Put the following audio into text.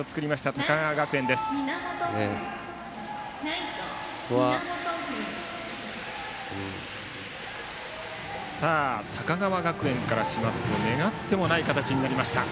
高川学園からしますと願ってもない形になりました。